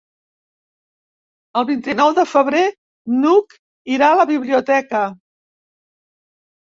El vint-i-nou de febrer n'Hug irà a la biblioteca.